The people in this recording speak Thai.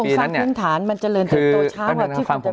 ผมสร้างพิมพ์ฐานมันเจริญจนโตช้าว่าที่คุณจะเป็น